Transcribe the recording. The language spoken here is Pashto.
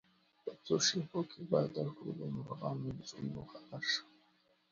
په څو شېبو کې دهغو ټولو مرغانو له زړونو خبر شوم